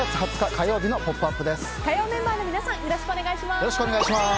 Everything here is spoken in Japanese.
火曜メンバーの皆さんよろしくお願いします。